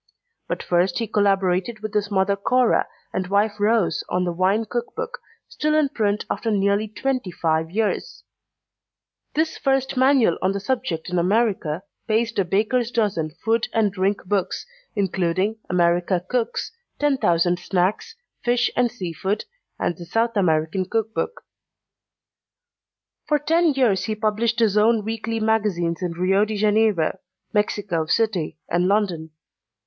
But first he collaborated with his mother Cora and wife Rose on The Wine Cookbook, still in print after nearly twenty five years. This first manual on the subject in America paced a baker's dozen food and drink books, including: America Cooks, 10,000 Snacks, Fish and Seafood and The South American Cookbook. For ten years he published his own weekly magazines in Rio de Janeiro, Mexico City and London.